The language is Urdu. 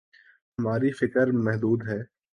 ہماری فکر محدود ہے۔